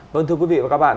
vâng thưa quý vị và các bạn